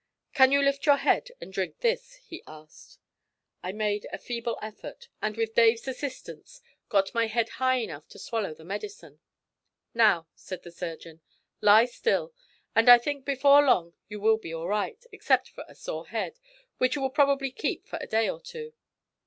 'Can you lift your head and drink this?' he asked. I made a feeble effort, and with Dave's assistance got my head high enough to swallow the medicine. 'Now,' said the surgeon, 'lie still, and I think before long you will be all right, except for a sore head, which you will probably keep for a day or two.'